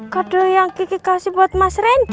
kadul yang kiki kasih buat mas randy